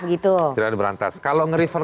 begitu tidak ada diberantas kalau nge refer